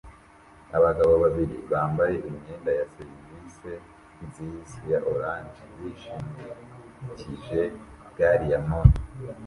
Abagabo babiri bambaye imyenda ya serivise nziza ya orange bishimikije gari ya moshi